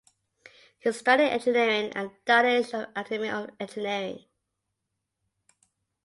He studied engineering at the Danish Academy of Engineering.